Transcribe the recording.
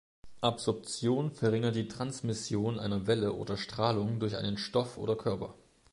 Absorption verringert die Transmission einer Welle oder Strahlung durch einen Stoff oder Körper.